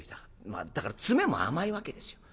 まあだから詰めも甘いわけですよ。